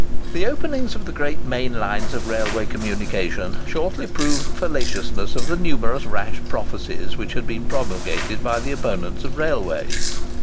The openings of the great main lines of railroad communication shortly proved the fallaciousness of the numerous rash prophecies which had been promulgated by the opponents of railways.